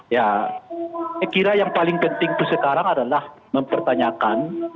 ya saya kira yang paling penting itu sekarang adalah mempertanyakan